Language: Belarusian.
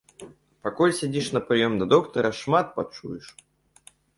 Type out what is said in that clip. Пакуль сядзіш на прыём да доктара, шмат пачуеш!